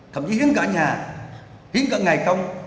thậm chí hiến cả nhà hiến cả ngày công